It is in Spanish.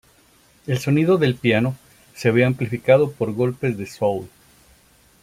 El sonido del piano se ve amplificado por golpes de "soul".